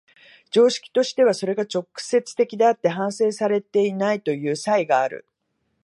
常識としてはそれが直接的であって反省されていないという差異がある。